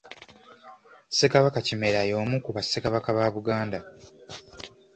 Ssekabaka Kimera y'omu ku Bassekabaka ba Buganda